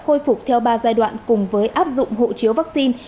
khôi phục theo ba giai đoạn cùng với áp dụng hộ chiếu vaccine